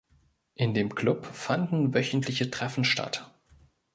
In dem Club fanden wöchentliche Treffen statt.